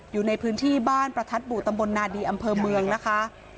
อยู่ในพื้นที่บ้านประทับบุตรนานดีอำเพิ่มเมืองนะคะ